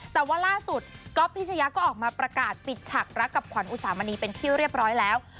แต่ว่าล่าสุดก๊อฟพิชยะก็ออกมาประกาศปิดฉากรักกับขวัญอุสามณีเป็นที่เรียบร้อยแล้ว